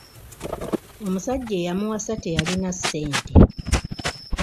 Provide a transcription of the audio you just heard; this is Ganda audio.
Omusajja eyamuwasa teyalina ssente.